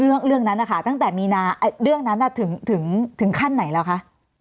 เรื่องนั้นนะคะตั้งแต่มีนาเรื่องนั้นถึงขั้นไหนแล้วคะ